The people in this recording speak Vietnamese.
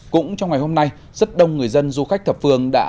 cũng trong ngày hôm nay rất đông người dân du khách thập phương đã